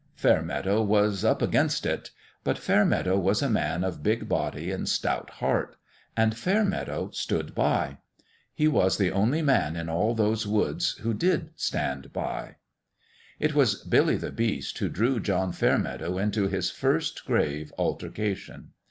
Fairmeadow was " up against it" But Fair meadow was a man of big body and stout heart. BILL Y the BEAST STARTS HOME \ 1 5 And Fairmeadow " stood by." He was the only man in all those woods who did "stand by." It was Billy the Beast who drew John Fair meadow into his first grave altercation.